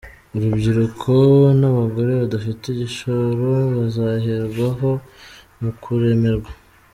Urubyiruko n’abagore badafite igishoro bazaherwaho mu kuremerwa